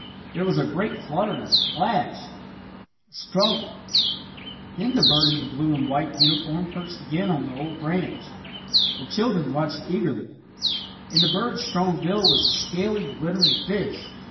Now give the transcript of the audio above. There was a great flutter and splash a struggle. Then the bird in the blue and white uniform perched again on the old branch. The children watched eagerly. In the bird's strong bill was a scaly, glittering fish.